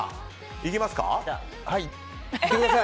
いきますか？